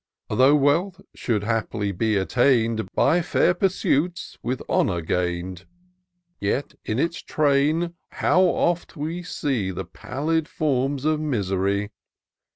" Though Wealth should haply be attained By fair pursuits^ with honour gain'd. Yet in its train how oft we see The pallid forms of misery.